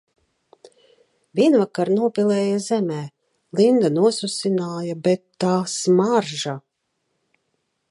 Vienvakar nopilēja zemē, Linda nosusināja, bet – tā smarža!